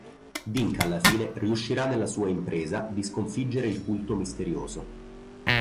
Dink alla fine riuscirà nella sua impresa di sconfiggere il culto misterioso.